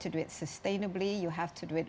anda harus melakukannya tanpa